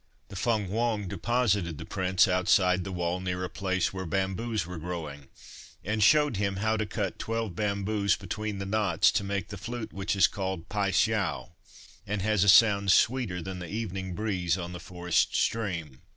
The Feng Hwang deposited the prince outside the wall near a place where bamboos were growing and showed him how to cut twelve bamboos between the knots to make the flute which is called Pai Siao and has a sound sweeter than the evening breeze on the forest stream.